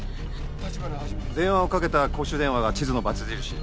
電話をかけた公衆電話が地図のバツ印。